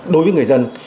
đối với người dân